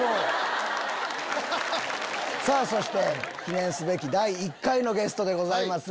そして記念すべき第１回のゲストでございます。